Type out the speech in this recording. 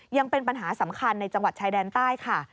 ยังเป็นปัญหาสำคัญในจังหวัดชายแดนใต้ค่ะ